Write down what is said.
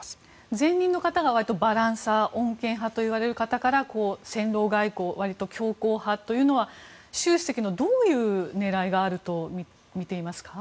前任の方がわりとバランサー穏健派といわれる方から戦狼外交わりと強硬派というのは習主席の、どういう狙いがあるとみていますか？